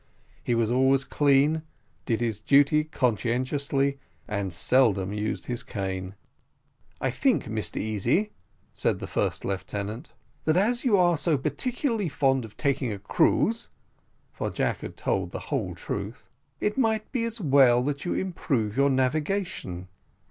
He was always clean, did his duty conscientiously, and seldom used his cane. "I think, Mr Easy," said the first lieutenant, "that as you are so particularly fond of taking a cruise" for Jack had told the whole truth "it might be as well that you improve your navigation."